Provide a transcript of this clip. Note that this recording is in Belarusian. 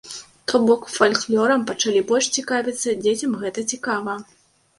То бок фальклёрам пачалі больш цікавіцца, дзецям гэта цікава.